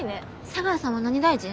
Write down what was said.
茶川さんは何大臣？